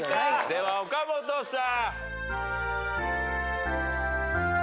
では岡本さん。